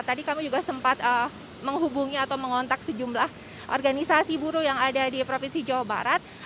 tadi kami juga sempat menghubungi atau mengontak sejumlah organisasi buruh yang ada di provinsi jawa barat